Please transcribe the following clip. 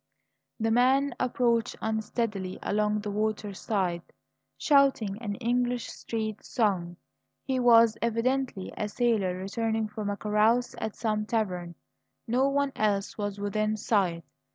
The man approached unsteadily along the water side, shouting an English street song. He was evidently a sailor returning from a carouse at some tavern. No one else was within sight.